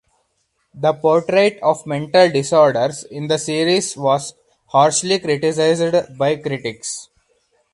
The portrait of mental disorders in the series was harshly criticised by critics.